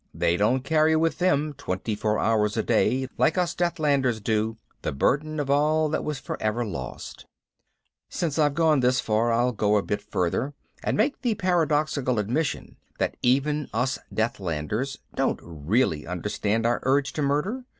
They don't carry with them, twenty four hours a day, like us Deathlanders do, the burden of all that was forever lost. Since I've gone this far I'll go a bit further and make the paradoxical admission that even us Deathlanders don't really understand our urge to murder.